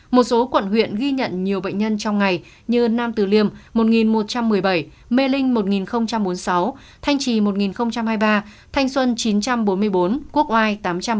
một số quận huyện ghi nhận nhiều bệnh nhân trong ngày như nam từ liêm một một trăm một mươi bảy mê linh một nghìn bốn mươi sáu thanh trì một nghìn hai mươi ba thanh xuân chín trăm bốn mươi bốn quốc oai tám trăm ba mươi